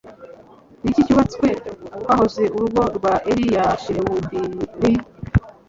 Niki Cyubatswe Kwahoze Urugo Rwa Earl ya Shrewsbury?